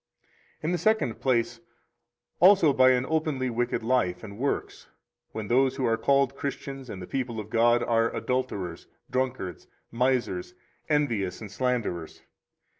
In the second place, also by an openly wicked life and works, when those who are called Christians and the people of God are adulterers, drunkards, misers, envious, and slanderers.